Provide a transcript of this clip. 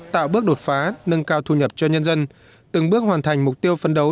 tạo bước đột phá nâng cao thu nhập cho nhân dân từng bước hoàn thành mục tiêu phấn đấu